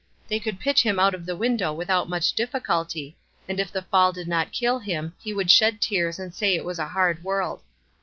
They could pitch him out of the window without much difficulty, and if the fall did not kill him he would shed tears and say it was a hard world.